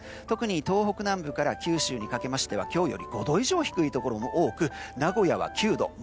特に東北南部から九州にかけては今日より５度以上低いところも多く、名古屋は９度。